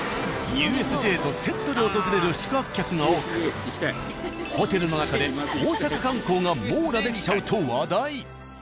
ＵＳＪとセットで訪れる宿泊客が多くホテルの中で大阪観光が網羅できちゃうと話題。